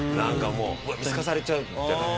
見透かされちゃうみたいな。